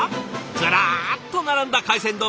ずらっと並んだ海鮮丼。